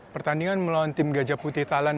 pertandingan melawan tim gajah putih thailand